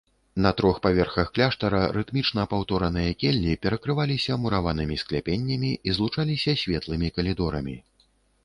На трох паверхах кляштара рытмічна паўтораныя келлі перакрываліся мураванымі скляпеннямі і злучаліся светлымі калідорамі.